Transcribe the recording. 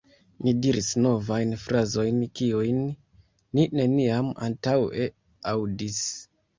Ni diris novajn frazojn, kiujn ni neniam antaŭe aŭdis.